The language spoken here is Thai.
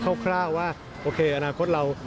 คร่าวว่าโอเคอนาคตเรา